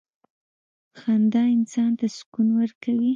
• خندا انسان ته سکون ورکوي.